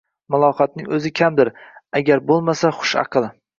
Malohatning o`zi kamdir, gar bo`lmasa xush, aql